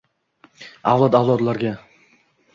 Avlod-avlodlarga